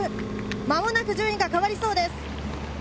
まもなく順位が変わりそうです。